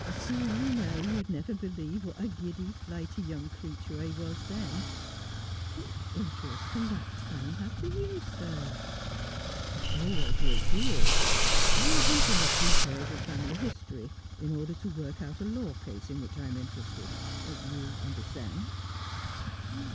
Seeing me now, you'd never believe what a giddy, flighty young creature I was then. But what interest can that time have to you, sir?' ' A great deal. I am hunting up details of family history in order to work out a law case in which I am interested. You understand